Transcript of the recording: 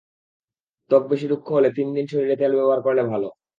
ত্বক বেশি রুক্ষ হলে তিন দিন শরীরে তেল ব্যবহার করলে ভালো।